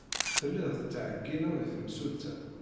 Telliḍ tettɛeyyineḍ i temsulta.